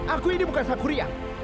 aku ini bukan sang kurian